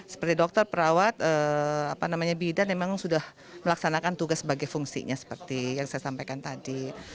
seperti dokter perawat bidan memang sudah melaksanakan tugas sebagai fungsinya seperti yang saya sampaikan tadi